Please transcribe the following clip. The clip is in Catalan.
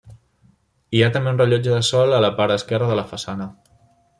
Hi ha també un rellotge de sol a la part esquerra de la façana.